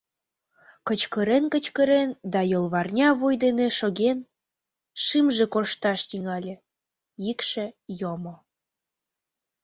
Кычкырен-кычкырен да йолварня вуй дене шоген, шӱмжӧ коршташ тӱҥале, йӱкшӧ йомо.